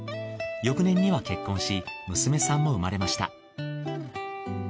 翌年には結婚し娘さんも産まれました。